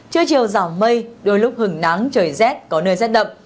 trưa chiều giảm mây đôi lúc hứng nắng trời rét có nơi rét đậm